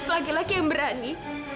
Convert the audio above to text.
laki laki yang berani